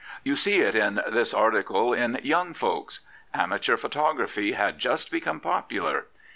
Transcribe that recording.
You see it in this article in Young Folks. Amateur photography had just become popular.